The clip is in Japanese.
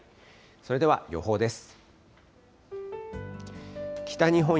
それでは予報です。